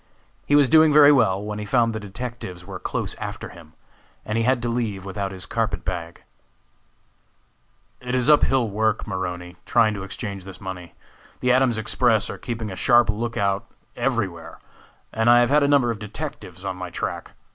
He was doing very well when he found the detectives were close after him, and he had to leave without his carpet bag. "It is up hill work, Maroney, trying to exchange this money. The Adams Express are keeping a sharp lookout every where, and I have had a number of detectives on my track.